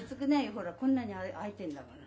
ほらこんなに空いてんだもの。